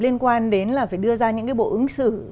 liên quan đến là phải đưa ra những cái bộ ứng xử